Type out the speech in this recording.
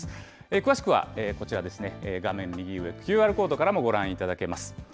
詳しくはこちらですね、画面右上、ＱＲコードからもご覧いただけます。